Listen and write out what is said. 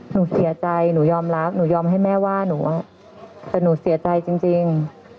หนูเสียใจหนูยอมรับหนูยอมให้แม่ว่าหนูแต่หนูเสียใจจริง